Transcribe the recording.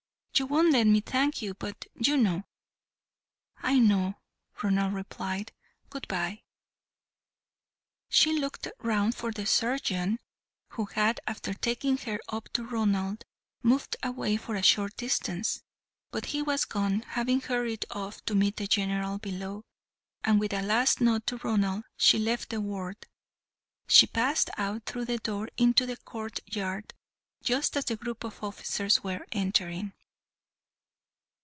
"You won't let me thank you, but you know." "I know," Ronald replied. "Good bye" She looked round for the surgeon, who had, after taking her up to Ronald, moved away for a short distance, but he was gone, having hurried off to meet the General below, and with a last nod to Ronald, she left the ward. She passed out through the door into the courtyard just as the group of officers were entering.